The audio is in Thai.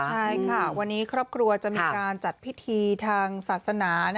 ใช่ค่ะวันนี้ครอบครัวจะมีการจัดพิธีทางศาสนา